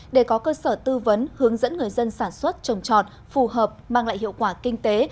để có cơ sở tư vấn hướng dẫn người dân sản xuất trồng trọt phù hợp mang lại hiệu quả kinh tế